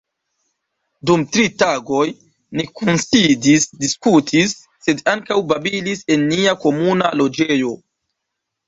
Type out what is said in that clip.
Dum tri tagoj ni kunsidis, diskutis, sed ankaŭ babilis en nia komuna loĝejo.